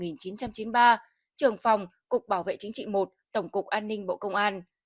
trường phòng cục bảo vệ chính trị một tổng cục an ninh bộ công an